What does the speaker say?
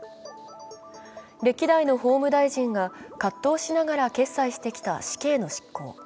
歴代の法務大臣が葛藤しながら決裁してきた死刑の執行。